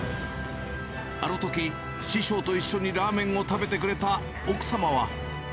あのとき、師匠と一緒にラーメンを食べてくれた奥様は。